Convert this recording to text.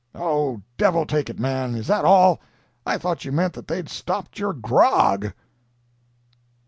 "Oh, devil take it, man, is that all? I thought you meant that they'd stopped your grog!"